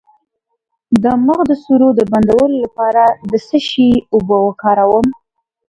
د مخ د سوریو د بندولو لپاره د څه شي اوبه وکاروم؟